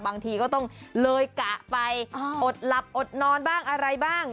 บางทีก็ต้องเลยกะไปอดหลับอดนอนบ้างอะไรบ้าง